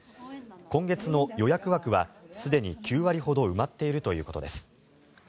今月の予約枠はすでに９割ほど埋まっているということです。